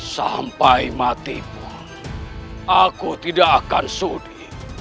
sampai mati pun aku tidak akan sudi